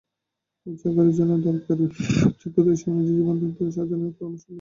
ওই চাকরির জন্য দরকারি যোগ্যতা ও সে অনুযায়ী জীবনবৃত্তান্ত সাজানোর পরামর্শও মিলবে।